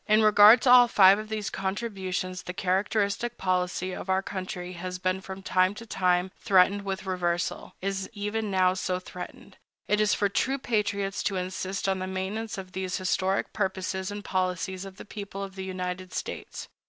In regard to all five of these contributions, the characteristic policy of our country has been from time to time threatened with reversal—is even now so threatened. It is for true patriots to insist on the maintenance of these historic purposes and policies of the people of the United States.